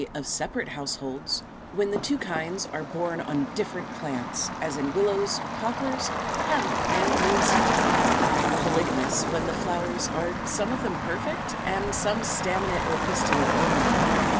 e. of separate households), when the two kinds are borne on different plants; as in Willows, Poplars, Hemp, and Moonseed, Fig. 231, 232. Polygamous, when the flowers are some of them perfect, and some staminate or pistillate only.